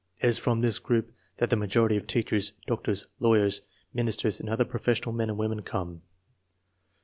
It is from this group that the majority of teachers, doctors, lawyers, min isters and other professional men and women come.